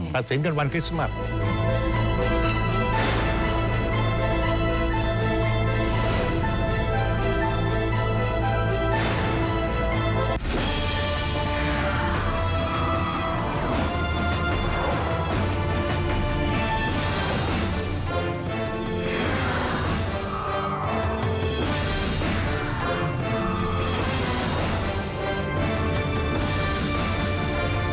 ก็เตรียมเป็นวันคริสต์มัน